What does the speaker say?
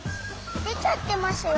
出ちゃってますよ。